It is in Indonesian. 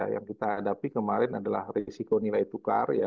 yang kita hadapi kemarin adalah resiko nilai tukar